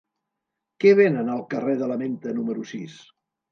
Què venen al carrer de la Menta número sis?